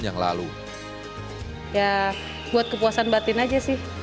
ya buat kepuasan batin aja sih